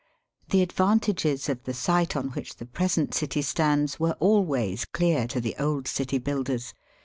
The advantages of the site on which the present city stands were always clear to the old city builders.